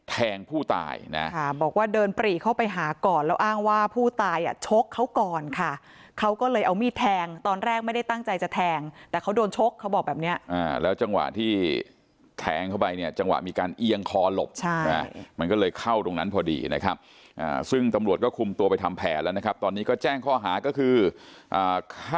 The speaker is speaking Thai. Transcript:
แทงผู้ตายนะค่ะบอกว่าเดินปรีเข้าไปหาก่อนแล้วอ้างว่าผู้ตายอ่ะชกเขาก่อนค่ะเขาก็เลยเอามีดแทงตอนแรกไม่ได้ตั้งใจจะแทงแต่เขาโดนชกเขาบอกแบบเนี้ยอ่าแล้วจังหวะที่แทงเข้าไปเนี่ยจังหวะมีการเอียงคอหลบใช่นะมันก็เลยเข้าตรงนั้นพอดีนะครับซึ่งตำรวจก็คุมตัวไปทำแผนแล้วนะครับตอนนี้ก็แจ้งข้อหาก็คืออ่า